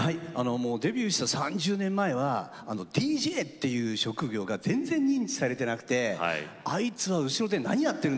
デビューした３０年前はＤＪっていう職業が全然認知されてなくて「あいつは後ろで何やっているんだ？」